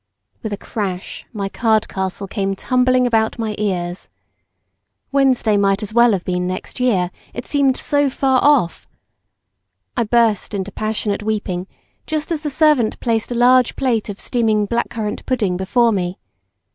With a crash my card castle came tumbling about my ears. Wednesday might as well have been next year—it seemed so far off. I burst into passionate weeping just as the servant placed a large plate of steaming black currant pudding before me.